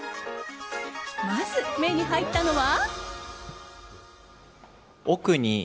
まず、目に入ったのは。